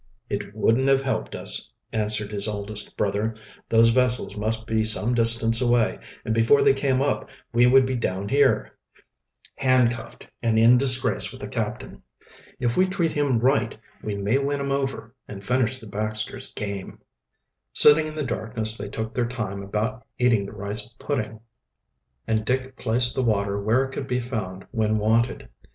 "It wouldn't have helped us," answered his oldest brother. "Those vessels must be some distance away, and before they came up we would be down here, handcuffed, and in disgrace with the captain. If we treat him right, we may win him over and finish the Baxters' game." Sitting in the darkness they took their time about eating the rice pudding, and Dick placed the water where it could be found when wanted.